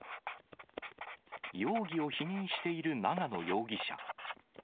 容疑を否認している長野容疑者。